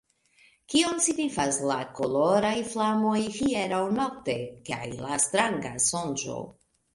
Kion signifas la koloraj flamoj hieraŭ nokte kaj la stranga sonĝo?